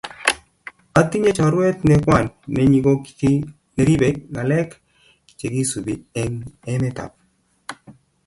Atinye choruet ne kwaan nenyi ko chi neribe ngalek chegisubi eng emetab